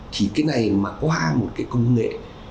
thì cái này mà qua một cái công nghệ